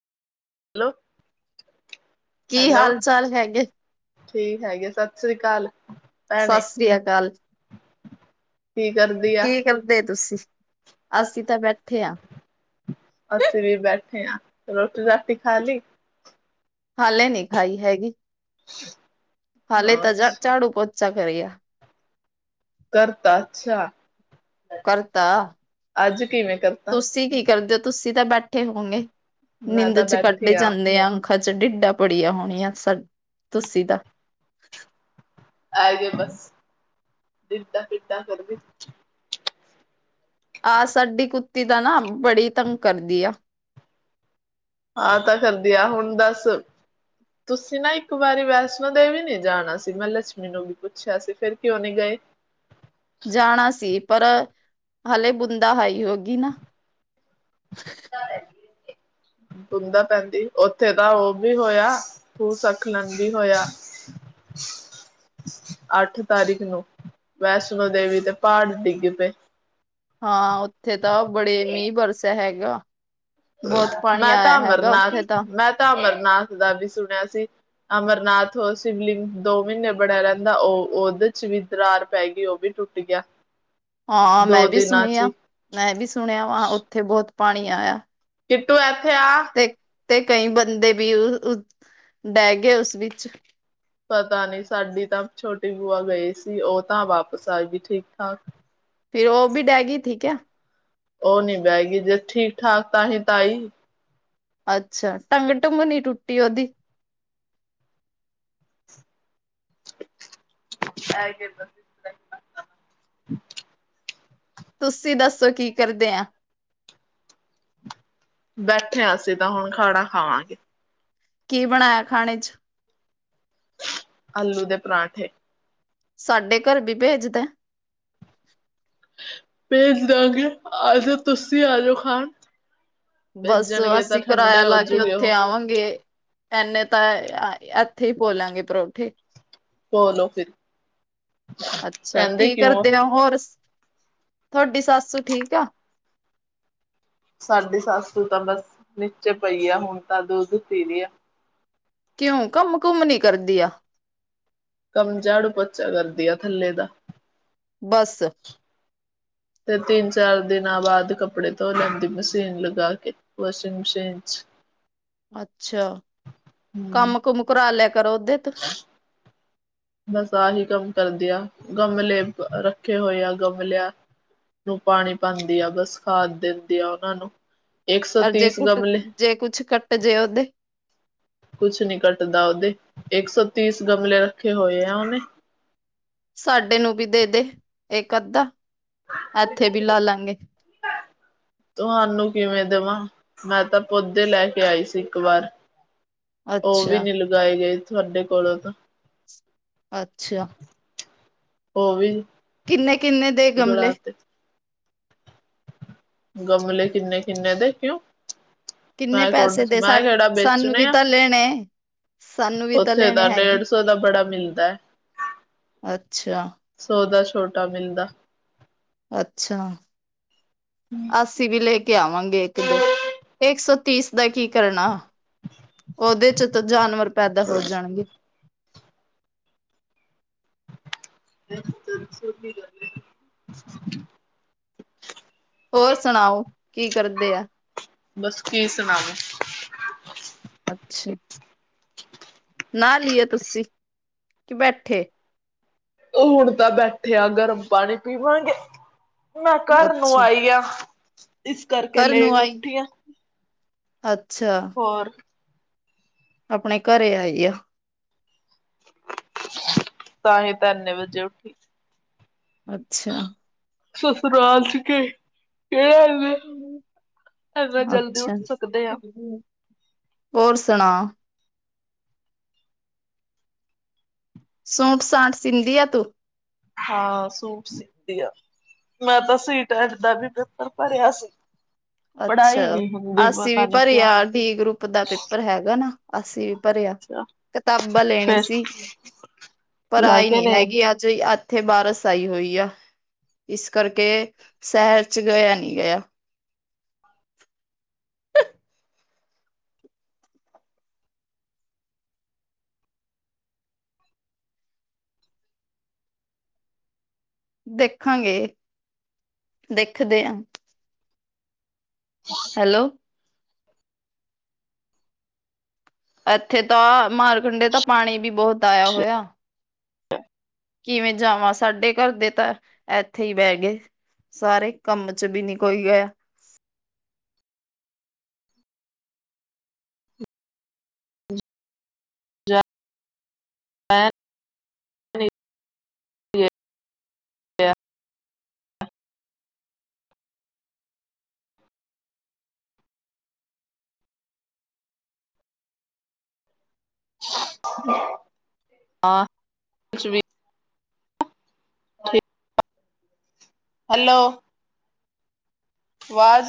Hello ਕੀ hello. ਹਾਲ ਚਾਲ ਹੈਗੇ? ਠੀਕ ਹੈਗੇ ਸਤਿ ਸ੍ਰੀ ਅਕਾਲ। ਭੈਣੇ ਸਤਿ ਸ੍ਰੀ ਅਕਾਲ। ਕੀ ਕਰਦੀ ਆ। ਕੀ ਕਰਦੇ ਤੁਸੀਂ? ਅਸੀਂ ਤਾਂ ਬੈਠੇ ਆ। ਅਸੀਂ ਵੀ ਬੈਠੇ ਹਾਂ ਰੋਟੀ ਰਾਟੀ ਖਾ ਲਈ। ਹਾਲੇ ਨੀ ਖਾਈ ਹੈਗੀ ਹਾਲੇ ਹਾਂ ਤਾਂ ਝਾੜੂ ਪੋਚਾ ਕਰਿਆ। ਕਰਤਾ ਅੱਛਾ ਕਰਤਾ। ਅੱਜ ਕਿਵੇਂ ਕਰਤਾਂ। ਤੁਸੀਂ ਕੀ ਕਰਦੇ ਹੋ ਤੁਸੀਂ ਤਾਂ ਬੈਠੇ ਹੋਣੇ ਮੈਂ ਨਿੰਦ ਤਾਂ ਚ ਬੈਠੀ ਪੜਦੇ ਜਾਂਦੇ ਆ। ਅੱਖਾਂ ਚ ਡਿੱਡਾ ਪੜੀਆਂ ਹੋਣੀਆਂ ਤੁਸੀਂ ਦਾ ਆਏ ਗਏ ਬਸ ਦਿਦਾ ਫਿਰਦਾ ਕਰਦੀ। ਆਹ ਸਾਡੀ ਕੁੱ। ਕੁਤੀ ਤਾਂ ਨਾ ਬੜੀ ਤੰਗ ਕਰਦੀ ਆ। ਆਹ ਤਾਂ ਕਰਦੀ ਆ ਹੁਣ ਦੱਸ। ਤੁਸੀਂ ਨਾ ਇੱਕ ਵਾਰੀ ਵੈਸ਼ਨੋ ਦੇਵੀ ਵੀ ਜਾਣਾ ਸੀ ਮੈਂ ਲੱਛਮੀ ਨੂੰ ਵੀ ਪੁੱਛਿਆ ਸੀ ਫਿਰ ਕਿਉਂ ਨਹੀਂ ਗਏ। ਜਾਣਾ ਸੀ ਪਰ ਹਾਲੇ ਬੁੰਦਾ ਹਾਈ ਹੋ ਗਈ ਨਾ। ਬੁੰਦਾ ਪੈਂਦੀ ਓਥੇ ਤਾਂ ਓ ਵੀ ਹੋਏਆ। ਭੂਸਖਲਨ ਵੀ ਹੋਏਆ। ਅੱਠ ਤਾਰੀਖ ਨੂੰ। ਵੈਸ਼ਨੋ ਦੇਵੀ ਦੇ ਪਾੜ ਡਿੱਗ ਪੇ। ਹਾਂ, ਓਥੇ ਤਾਂ ਬੜੇ ਮੀਂ ਬਰਸੇ ਹੈਗਾ। ਬਹੁਤ ਪਾਣੀ ਮੈਂ ਆਇਆ ਤਾਂ ਹੈਗਾ ਅਮਰਨਾਥ ਉੱਥੇ ਤਾਂ। ਮੈਂ ਤਾਂ ਅਮਰਨਾਥ ਦਾ ਵੀ ਸੁਣੇਆ ਸੀ। ਅਮਰਨਾਥ ਓ ਸ਼ਿਵਲਿੰਗ ਦੋ ਮੀਨੇ ਬਣੇਆ ਰੈਂਦਾ ਓ ਓਦੇ ਚ ਵੀ ਦਰਾਰ ਪੈਗੀ ਓ ਵੀ ਟੁੱਟ ਗਯਾ। ਹਾਂ ਮੈਂ ਵੀ ਸੁਣੇਆ, ਮੈਂ ਵੀ ਸੁਣੇਆ ਵਾ ਓਥੇ ਬੋਤ ਪਾਣੀ ਆਏਆ। ਕਿਟੂ ਐਥੇ ਆ। ਤੇ ਤੇ ਕਈ ਬੰਦੇ ਵੀ ਉ ਉ ਡੈ ਗਏ ਉਸ ਵਿੱਚ ਪਤਾ ਨੀ ਸਾਡੀ ਤਾਂ ਛੋਟੀ ਬੂਆ ਗਈ ਸੀ। ਓ ਤਾਂ ਵਾਪਸ ਆਗੀ ਠੀਕ ਠਾਕ। ਫਿਰ ਓ ਵੀ ਡੈ ਗੀ ਥੀ ਕਆ? ਓ ਨੀ ਬਹ ਗੀ। ਜੇ ਠੀਕ ਠਾਕ ਤਾਂਹੀ ਤਾਂ ਆਈ। ਅੱਛਾ। ਟੰਗ ਟੁੰਗ ਨੀ ਟੁੱਟੀ ਓਦੀ। ਐ ਕੇ ਦਸਦੀ। ਤੁਸੀ ਦੱਸੋ ਕੀ ਕਰਦੇ ਆ? ਬੈਠੇ ਆਂ ਅਸੀ ਤਾਂ ਹੁਣ ਖਾਣਾ ਖਾਵਾਂਗੇ। ਕੀ ਬਣਾਏਆ ਖਾਣੇ ਚ? ਆਲੂ ਦੇ ਪਰਾਂਠੇ। ਸਾਡੇ ਘਰ ਵੀ ਭੇਜ ਦੇ। ਭੇਜ ਦਾਂਗੇ। ਆਜੋ ਤੁਸੀ ਆ ਜਓ ਖਾਣ। ਬਸ ਭੇਜਣਗੇ ਤਾਂ ਅਸੀ ਕਰਾਏਆ ਠੰਡੇ ਲਾ ਕੇ ਹੋਜੂਗੇ ਉਹ। ਓਥੇ ਆਵਾਂਗੇ। ਐਨੇ ਤਾਂ ਅ ਐਥੇ ਈ ਪੋ ਲਾਂਗੇ ਪਰੌਠੇ। ਪੋ ਲੋ ਫਿਰ। ਅੱਛਾ। ਕਹਿੰਦੇ ਕੀ ਕਿਉਂ ਹੋ? ਕਰਦੇ ਨੇ ਹੋਰ ਤੁਹਾਡੀ ਸੱਸ ਠੀਕ ਆ? ਸਾਡੀ ਸਾਸੂ ਤਾਂ ਬਸ ਨੀਚੇ ਪਈ ਆ। ਹੁਣ ਤਾਂ ਦੁੱਧ ਪੀ ਰੀ ਆ। ਕਿਉਂ ਕਮ ਕੁੁੰਮ ਨੀ ਕਰਦੀ ਆ। ਕੰਮ ਝਾੜੂ ਪੋਚਾ ਕਰਦੀ ਆ ਥੱਲੇ ਦਾ। ਬਸ। ਤੇ ਤਿੰਨ ਚਾਰ ਦਿਨਾਂ ਬਾਦ ਕੱਪੜੇ ਧੋ ਲੈਂਦੀ ਮਸ਼ੀਨ ਲਗਾ ਕੇ। ਵੋਸ਼ਿੰਗ ਮਸ਼ੀਨ ਚ। ਅੱਛਾ। ਹੂੰ। ਕੰਮ ਕੁਮ ਕਰਾ ਲੇਆ ਕਰੋ ਓਦੇ ਤ। ਬਸ ਆਹੀ ਕੰਮ ਕਰਦੀ ਆ। ਗਮਲੇ ਰੱਖੇ ਹੋਏ ਆ ਗਮਲੇਆ ਨੂੰ ਪਾਣੀ ਪਾਂਦੀ ਆ ਬਸ ਖਾਦ ਦੇਂਦੀ ਆ ਓਨਾਂ ਨੂੰ। ਇੱਕ ਸੌ ਅਰ ਜੇ ਤੀਸ ਕੁੱਟ ਗਮਲੇ ਜੇ ਕੁੱਛ ਕੱਟ ਜੇ ਓਦੇ। ਕੁਛ ਨੀ ਕੱਟਦਾ ਓਦੇ। ਏਕ ਸੌ ਤੀਸ ਗਮਲੇ ਰੱਖੇ ਹੋਏ ਆ ਓਨੇ। ਸਾਡੇ ਨੂੰ ਵੀ ਦੇ ਦੇ ਏਕ ਅੱਧਾ। ਐਥੇ ਵੀ ਲਾ ਲਾਂਗੇ। ਤੁਹਾਨੂੰ ਕਿਵੇਂ ਦਵਾਂ, ਮੈਂ ਤੇ ਪੌਦੇ ਲੈ ਕੇ ਆਈ ਸੀ ਇੱਕ ਵਾਰ। ਔ ਵੀ ਅੱਛਾ ਨੀ ਲਗਾਏ ਗਏ ਤੁਹਾਡੇ ਕੋਲੋਂ ਤਾਂ। ਅੱਛਾ। ਓ ਵੀ। ਕਿੰਨੇ ਕਿੰਨੇ ਦੇ ਗਲਾ ਗਮਲੇ? ਤੇ ਗਮਲੇ ਕਿੰਨੇ ਕਿੰਨੇ ਦੇ ਕਿਉਂ? ਕਿੰਨੇ ਮੈਂ ਕੌਣ ਪੈਸੇ ਦੇ ਮੈਂ ਸਾ ਕਿਹੜਾ ਸਾਨੂੰ ਵੇਚਣੇ ਵੀ ਆ ਤਾਂ ਲੇਣੇ। ਸਾਨੂੰ ਵੀ ਤਾਂ ਉੱਥੇ ਲੇਣੇ ਡੇਢ ਹੈਗੇ। ਸੌ ਦਾ ਬੜਾ ਮਿਲਦਾ ਅੱਛਾ। ਸੌਦਾ ਛੋਟਾ ਬਿੰਦਾ ਅੱਛਾ ਅਸ ਅਸੀਂ ਵੀ ਲੈ ਕੇ ਆਵਾਂਗੇ ਇੱਕ ਦੋ ਇੱਕ ਸੌ ਤੀਸ ਦਾ ਕੀ ਕਰਨਾ ਉਹਦੇ ਚ ਤਾਂ ਜਾਨਵਰ ਪੈਦਾ ਹੋ ਜਾਣਗੇ। [unintelligible] ਹੋਰ ਸੁਣਾਓ ਕੀ ਕਰਦੇ ਆ? ਬਸ ਕੀ ਸੁਣਾਓ? ਅੱਛਾ, ਨਾਲ ਈਏ ਤੁਸੀਂ, ਬੈਠੇ ਉਹ ਹੁਣ ਤਾਂ ਬੈਠੇ ਆ ਗਰਮ ਪਾਣੀ ਪੀਵਾਂਗੇ। ਮੈਂ ਘਰ ਨੂੰ ਅੱਛਾ ਆਈ ਆ ਇਸ ਕਰਕੇ ਘਰ ਨੂੰ ਲੇਟ ਆਈ ਉੱਠੀ ਆ। ਅੱਛਾ, ਹੋਰ ਆਪਣੇ ਘਰੇ ਆਈ ਆ। ਤਾਂਹੀ ਤਾਂ ਇੰਨੇ ਵਜੇ ਉੱਠੀ ਅੱਛਾ, ਸਸੁਰਾਲ ਚ [unintelligible] ਇੰਨਾ ਜਲਦੀ ਅੱਛਾ, ਉੱਠ ਸਕਦੇ ਆ ਹੋਰ ਸੁਣਾ? ਸੂਟ ਸਾਂਟ ਸੀਂਦੀ ਆ ਤੂੰ? ਹਾਂ ਸੂਟ ਸੀਂਧੀ ਆ। ਮੈਂ ਤਾਂ ਸੀਟੈਟ ਦਾ ਵੀ ਪੇਪਰ ਭਰਿਆ ਸੀ। ਪੜ੍ਹਾਈ ਅੱਛਾ ਨੀ ਹੁੰਦੀ ਅਸੀ ਵੀ ਪਤਾ ਨੀ ਭਰੀ ਕਿਉਂ ਆ ਡੀ ਗਰੁੱਪ ਦਾ ਪੇਪਰ ਹੈਗਾ ਨਾ। ਅੱਸੀ ਵੀ ਭਰਿਆ ਅੱਛਾ ਕਿਤਾਬਾਂ ਲੈਣੀ ਫਿਰ ਸੀ ਪਰ ਲੈ ਆਈ ਕੇ ਨਹੀਂ ਨੇ ਹੈਗੀ ਅੱ ਜ ਇੱਥੇ ਬਾਰਸ ਆਈ ਹੋਈ ਆ। ਇਸ ਕਰਕੇ ਸ਼ਹਿਰ ਚ ਗਿਆ ਨਹੀਂ ਗਿਆ। ਦੇਖਾਂਗੇ ਦੇਖਦੇ ਹਾਂ। [unintelligible] ਹੈਲੋ, ਇੱਥੇ ਤਾਂ ਮਾਰਖੰਡੇ ਤਾਂ ਪਾਣੀ ਵੀ ਬਹੁਤ ਆਇਆ ਹੋਇਆ। [unintelligible] ਕਿਵੇਂ ਜਾਵਾਂ ਸਾਡੇ ਘਰ ਦੇ ਤਾਂ ਇੱਥੇ ਹੀ ਬਹਿ ਗਏ। ਸਾਰੇ ਕੰਮ ਚ ਵੀ ਨਹੀਂ ਕੋਈ ਗਿਆ। [unintelligible] [unintelligible] [unintelligible] ਹੈਲੋ। ਵਾਜ਼